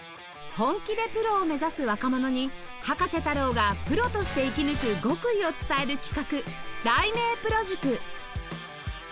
本気でプロを目指す若者に葉加瀬太郎がプロとして生き抜く極意を伝える企画題名プロ塾